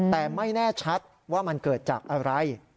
แต่ไม่แน่ชัดว่ามันเกิดจากอะไร